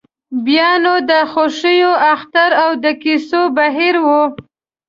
بیا نو د خوښیو اختر او د کیسو بهیر وي.